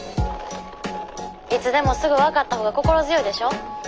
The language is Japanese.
いつでもすぐ分かったほうが心強いでしょ。